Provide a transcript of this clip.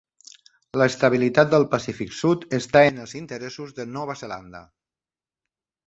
L'estabilitat del Pacífic Sud està en els interessos de Nova Zelanda.